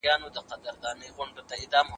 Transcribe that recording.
زه ليک نه لولم؟